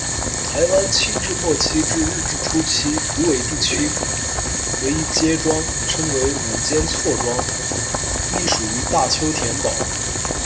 台湾清治末期至日治初期，虎尾地区为一街庄，称为「五间厝庄」，隶属于大丘田堡。